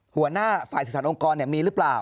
หัวหน้าฝ่ายสถานองค์กรมีหรือเปล่า